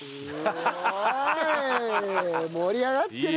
盛り上がってる！